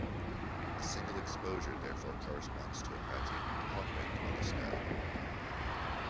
A single exposure therefore corresponds to a patchy "paw print" on the sky.